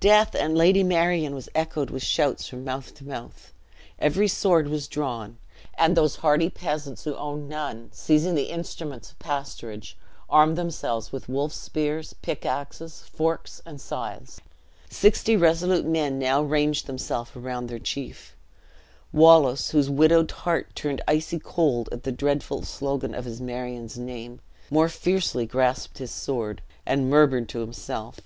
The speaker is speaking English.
"Death and Lady Marion!" was echoed with shouts from mouth to mouth. Every sword was drawn; and those hardy peasants who owned none, seizing the instruments of pasturage, armed themselves with wolf spears, pickaxes, forks, and scythes. Sixty resolute men now ranged themselves around their chief. Wallace, whose widowed heart turned icy cold at the dreadful slogan of his Marion's name, more fiercely grasped his sword, and murmured to himself.